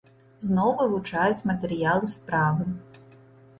Зноў вывучаюць матэрыялы справы.